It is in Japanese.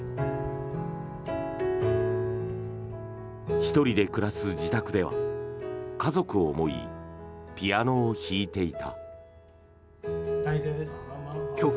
１人で暮らす自宅では家族を思いピアノを弾いていた。